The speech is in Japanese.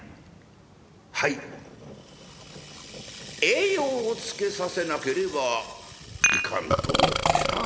「栄養をつけさせなければいかんと思ってな。